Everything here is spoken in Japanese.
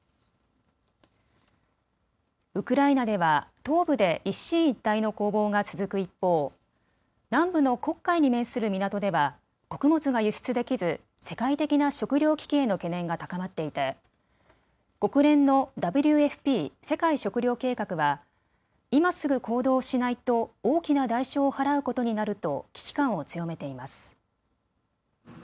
ウクライナでは東部で一進一退の攻防が続く一方、南部の黒海に面する港では穀物が輸出できず世界的な食糧危機への懸念が高まっていて国連のＷＦＰ・世界食糧計画は今すぐ行動をしないと大きな代償を払うことになると危機感を強めています。